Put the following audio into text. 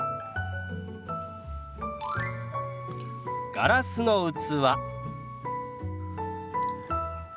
「ガラスの器」。